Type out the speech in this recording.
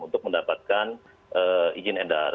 untuk mendapatkan izin edar